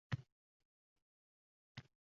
Ruhiy xastaliklar shifoxonasiga tanda qoʼygach